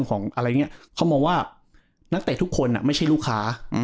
เขามองว่านักเตะทุกคนน่ะไม่ใช่ลูกค้า